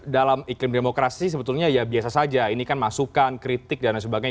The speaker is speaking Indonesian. dalam iklim demokrasi sebetulnya ya biasa saja ini kan masukan kritik dan sebagainya